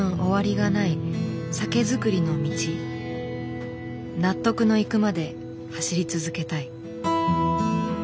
納得のいくまで走り続けたい。